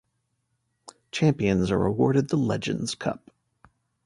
Champions are awarded the Legends Cup.